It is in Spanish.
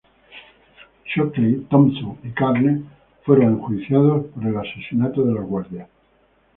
Shockley, Thompson, y Carnes fueron enjuiciados por el asesinato de los guardias.